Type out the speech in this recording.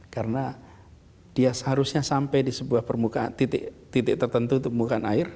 karena dia seharusnya sampai di sebuah permukaan titik tertentu permukaan air